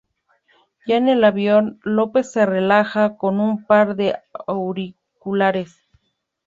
Ya en el avión, Lopez se relaja con un par de auriculares.